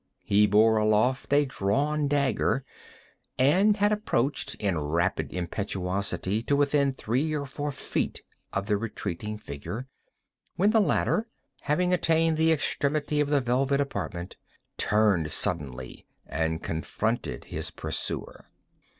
He bore aloft a drawn dagger, and had approached, in rapid impetuosity, to within three or four feet of the retreating figure, when the latter, having attained the extremity of the velvet apartment, turned suddenly and confronted his pursuer.